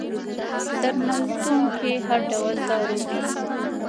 درملتون کي هر ډول دارو وي